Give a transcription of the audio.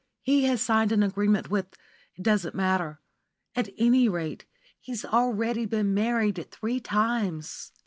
He has signed an agreement with it doesn't matter. At any rate, he's already been married three times.